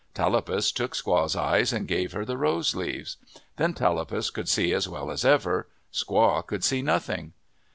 Tallapus took Squaw's eyes and gave her the rose leaves. Then Tallapus could see as well as ever. Squaw could see nothing.